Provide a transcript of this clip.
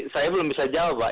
saya belum bisa jawab pak